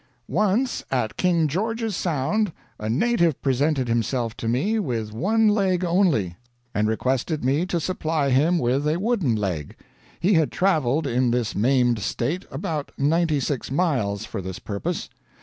"Once at King George's Sound a native presented himself to me with one leg only, and requested me to supply him with a wooden leg. He had traveled in this maimed state about ninety six miles, for this purpose.